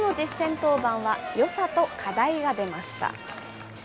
初の実戦登板はよさと課題が出ました。